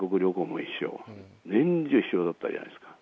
年中、一緒だったじゃないですか。